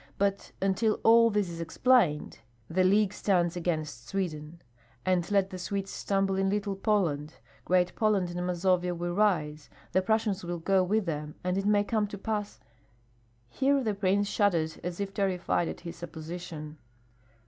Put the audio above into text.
But until all this is explained, the league stands against Sweden; and let the Swedes stumble in Little Poland, Great Poland and Mazovia will rise, the Prussians will go with them, and it may come to pass " Here the prince shuddered as if terrified at his supposition.